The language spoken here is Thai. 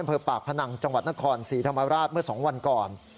อำเภอปากพนังจังหวัดนครศรีธรรมราชเมื่อ๒วันก่อน